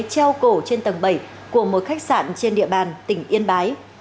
treo cổ trên tầng bảy của một khách sạn trên địa bàn tỉnh yên bái